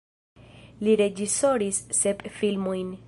Li reĝisoris sep filmojn.